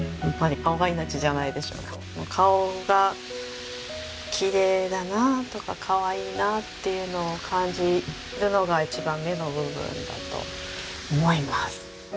顔がきれいだなとかかわいいなっていうのを感じるのが一番目の部分だと思います。